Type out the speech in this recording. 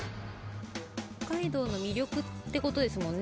北海道の魅力ってことですもんね。